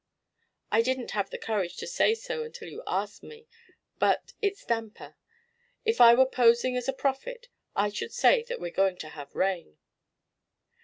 "I didn't have the courage to say so until you asked me, but it's damper. If I were posing as a prophet I should say that we're going to have rain."